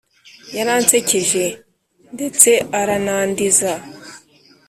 yaransekeje, ndetse aranandiza.